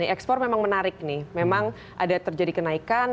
ekspor memang menarik nih memang ada terjadi kenaikan